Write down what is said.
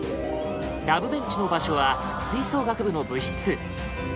ラブベンチの場所は吹奏楽部の部室